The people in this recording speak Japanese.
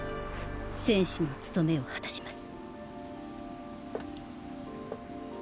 戦士の務めを果たします。